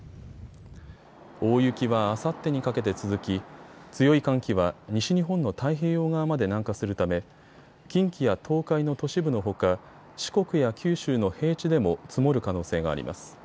大雪はあさってにかけて続き強い寒気は西日本の太平洋側まで南下するため近畿や東海の都市部のほか四国や九州の平地でも積もる可能性があります。